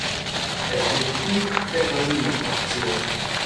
Er war Mitglied der Casino-Fraktion.